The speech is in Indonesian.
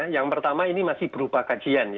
yang pertama ini masih berupa kajian